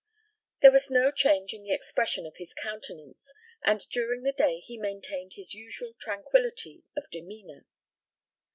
There was no change in the expression of his countenance, and during the day he maintained his usual tranquillity of demeanour.